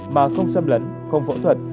mà không xâm lấn không phẫu thuật